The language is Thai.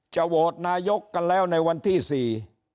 โหวตนายกกันแล้วในวันที่สี่